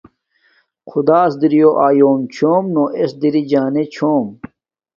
خدݳس دِرِیݸ آیݸم چھݸم نݸ اݵس دِرِݵ جݳنݺ چھݸم.